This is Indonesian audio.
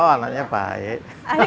oh anaknya baik